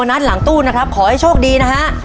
ไม่ออกนะ